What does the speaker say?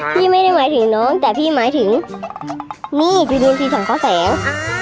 พี่ไม่ได้หมายถึงน้องแต่พี่หมายถึงนี่จุดลินทรีย์สังเคราะห์แสง